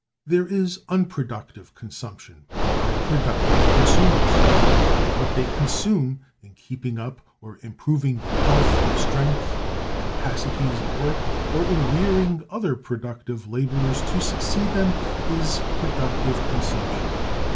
There is unproductive consumption by productive consumers. What they consume in keeping up or improving their health, strength, and capacities of work, or in rearing other productive laborers to succeed them, is Productive Consumption.